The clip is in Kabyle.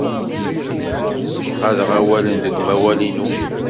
Ssefqadeɣ awalen deg umawal-inu.